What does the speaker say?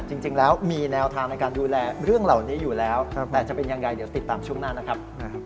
จริงแล้วมีแนวทางในการดูแลเรื่องเหล่านี้อยู่แล้วแต่จะเป็นยังไงเดี๋ยวติดตามช่วงหน้านะครับ